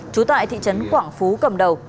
trú tại thị trấn quảng phú cầm đầu